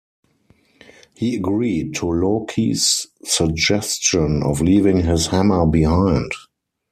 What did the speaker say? He agreed to Loki's suggestion of leaving his hammer behind.